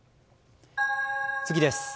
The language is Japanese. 次です。